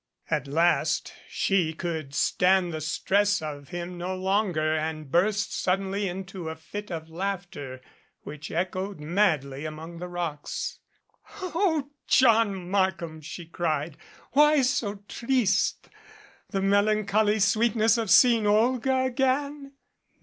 At last she could stand the stress of him no longer and burst suddenly into a fit of laughter which echoed madly among the rocks. "Oh John Markham!" she cried. "Why so triste? The melancholy sweetness of seeing Olga again?"